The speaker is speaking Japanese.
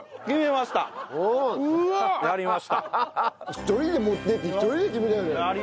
一人で持っていって一人で決めたよね。